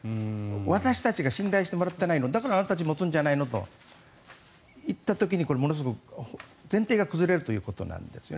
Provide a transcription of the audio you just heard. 私たち信頼してもらってないのだからあなたたち持つんじゃないのといった時にものすごく前提が崩れるということなんです。